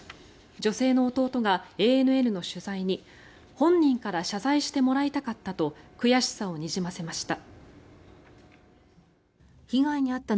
女性の弟がＡＮＮの取材に本人から謝罪してもらいたかったと悔しさをにじませました。